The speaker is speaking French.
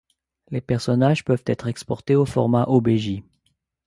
Les personnages peuvent être exportés au format obj.